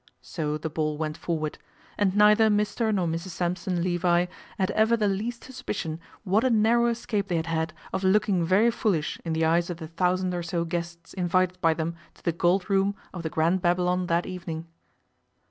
So the ball went forward, and neither Mr nor Mrs Sampson Levi had ever the least suspicion what a narrow escape they had had of looking very foolish in the eyes of the thousand or so guests invited by them to the Gold Room of the Grand Babylon that evening.